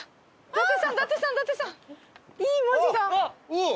おっ！